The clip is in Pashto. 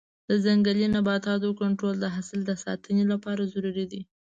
د ځنګلي نباتاتو کنټرول د حاصل د ساتنې لپاره ضروري دی.